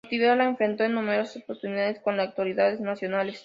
Su actividad la enfrentó en numerosas oportunidades con las autoridades nacionales.